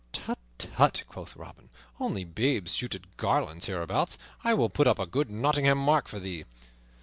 "Tut, tut," quoth Robin, "only babes shoot at garlands hereabouts. I will put up a good Nottingham mark for thee."